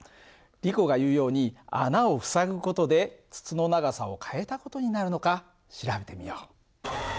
リコが言うように穴を塞ぐ事で筒の長さを変えた事になるのか調べてみよう。